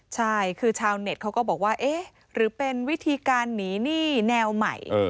ใช่คือชาวเน็ตเขาก็บอกว่าเอ๊ะหรือเป็นวิธีการหนีหนี้แนวใหม่